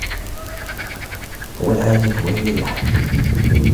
هو العازف و هي اللحن.